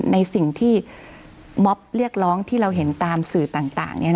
ในสิ่งที่มอบเรียกร้องที่เราเห็นตามสื่อต่าง